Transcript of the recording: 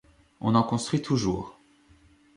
On en construit toujours...